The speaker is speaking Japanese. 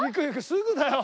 すぐだよ。